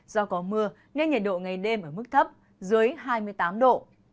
do có mưa nên nhiệt độ ngày đêm ở mức thấp dưới hai mươi tám độ